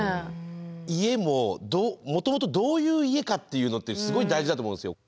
家ももともとどういう家かっていうのってすごい大事だと思うんですよ。